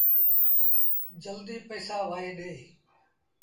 جلديٚ پئيٚسآ ڏي وهيٚ۔